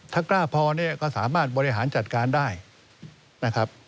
ถ้ากล้าพอเนี่ยก็สามารถบริหารจัดการได้นะครับ